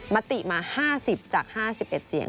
มติมา๕๐จาก๕๑เสียง